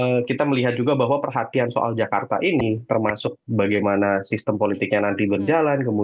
karena kita melihat juga bahwa perhatian soal jakarta ini termasuk bagaimana sistem politiknya nanti berjalan